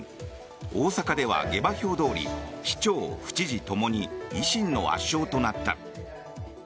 大阪では下馬評どおり市長、府知事ともに維新の圧勝となった。